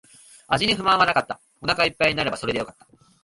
味に不満はなかった。お腹一杯になればそれでよかった。